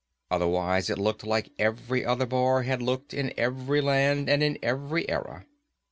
Otherwise, it looked like every other bar has looked in every land and in every era.